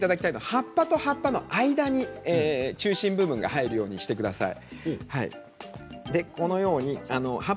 葉っぱと葉っぱの間に中心部分が入るように気をつけてください。